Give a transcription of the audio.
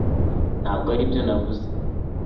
Ntabwo aribyo navuze